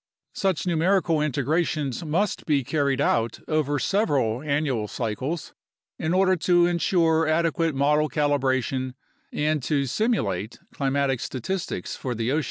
Such numerical integrations must be carried out over several annual cycles, in order to ensure adequate model calibration and to simulate climatic statistics for the ocean.